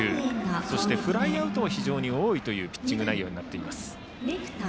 そしてフライアウトが非常に多いピッチング内容になっています。